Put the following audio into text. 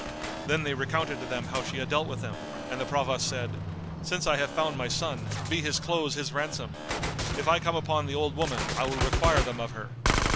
Then they recounted to them how she had dealt with them, and the Provost said, "Since I have found my son, be his clothes his ransom! If I come upon the old woman, I will require them of her."